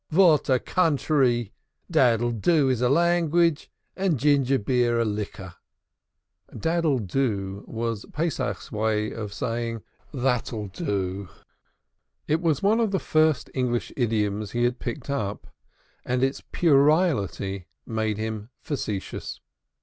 "What a country! Daddle doo is a language and ginger beer a liquor." "Daddle doo" was Pesach's way of saying "That'll do." It was one of the first English idioms he picked up, and its puerility made him facetious.